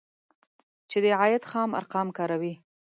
چې د عاید خام ارقام کاروي